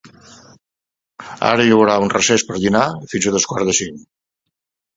Ara hi haurà un recés per dinar fins a dos quarts de cinc.